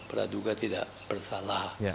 beraduga tidak bersalah